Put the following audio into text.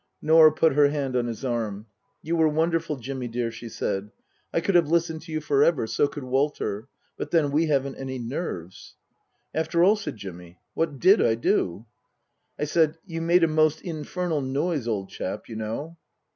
Norah put her hand on his arm. " You were wonderful, Jimmy dear," she said. " I could have listened to you for ever. So could Walter. But then, we haven't any nerves." " After all," said Jimmy, " what did I do ?" I said, " You made a most infernal noise, old chap, you know."